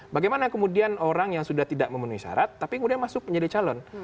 bagaimana kemudian orang yang sudah tidak memenuhi syarat tapi kemudian masuk menjadi calon